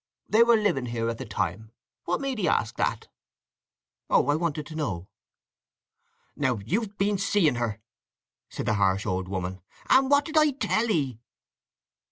They were living here at that time. What made 'ee ask that?" "Oh—I wanted to know." "Now you've been seeing her!" said the harsh old woman. "And what did I tell 'ee?"